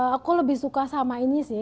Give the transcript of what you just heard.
aku lebih suka sama ini sih